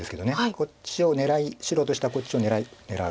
こっちを白としてはこっちを狙う。